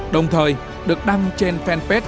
đồng thời được đăng trên fanpage